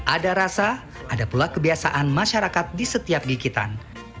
ada rasa ada pula kebiasaan masyarakat di setiap gigitan